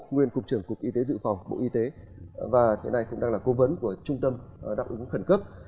nguyên cục trưởng cục y tế dự phòng bộ y tế và cố vấn của trung tâm đặc ứng khẩn cấp